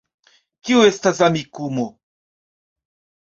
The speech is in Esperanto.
Kio estas Amikumu